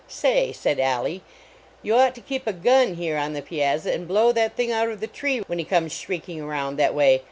" Say," said Alleigh, "you ought to keep a gun here on the piazza and blow that thing out of the tree when he comes shrieking around that way.